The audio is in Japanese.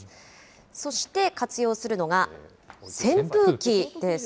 そして活用するのが扇風機です。